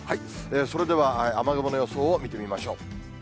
それでは雨雲の予想を見てみましょう。